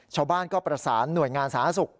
ชาวบ้านก็ประสานหน่วยงานสาธารณสุข